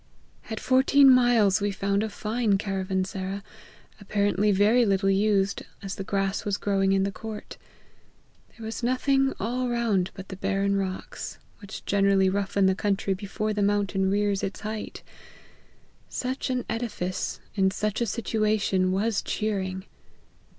At fourteen miles, we found a fine caravansera, apparently very little used, as the grass was growing in the court. There was nothing all round but the barren rocks, which generally roughen the country before the mountain rears its height. Such an edifice, in such a situation, was cheering.